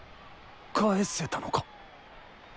返せたのか？